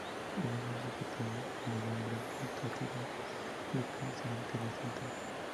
En ella se cultivaban legumbres, frutas, uvas y, al pie del cementerio, centeno.